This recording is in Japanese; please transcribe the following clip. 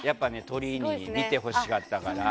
トリに見てほしかったから。